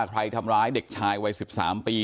ใครทำร้ายเด็กชายวัย๑๓ปี